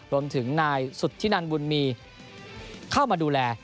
รวมถึงนายสุธินันบุญมีเข้ามาดูแล